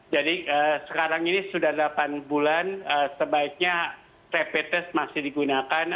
jadi sekarang ini sudah delapan bulan sebaiknya rapid test masih digunakan